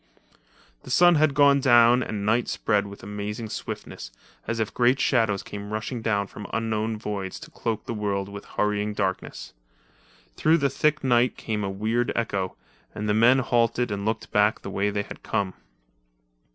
The sun had gone down and night spread with amazing swiftness, as if great shadows came rushing down from unknown voids to cloak the world with hurrying darkness. Through the thick night came a weird echo, and the men halted and looked back the way they had come.